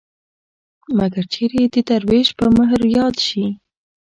مګر چېرې د دروېش په مهر ياد شي.